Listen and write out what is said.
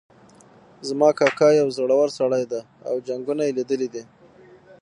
زما کاکا یو زړور سړی ده او جنګونه یې لیدلي دي